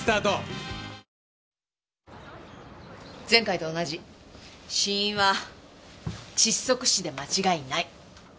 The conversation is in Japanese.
前回と同じ死因は窒息死で間違いない。